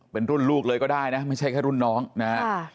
เป็นรุ่นลูกเลยก็ได้นะไม่ใช่แค่รุ่นน้องนะฮะ